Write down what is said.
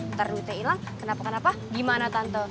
ntar duitnya hilang kenapa kenapa gimana tanto